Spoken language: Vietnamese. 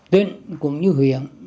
tuyên cũng như huyện